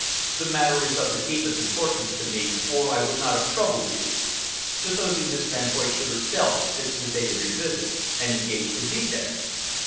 "The matter is of the deepest importance to me, or I would not have troubled you. Supposing Miss Van Hoyt should herself fix the date of your visit, and engage to be there?"